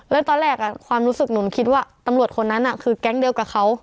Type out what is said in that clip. แล้วตอนแรกความรู้สึกหนูคิดว่าตำรวจคนนั้นคือแก๊งเดียวกับเขา